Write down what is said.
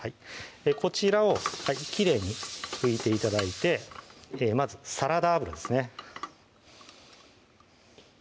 こちらをきれいに拭いて頂いてまずサラダ油ですね